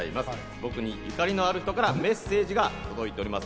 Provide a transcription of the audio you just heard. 僕に縁のある人からメッセージが届いております。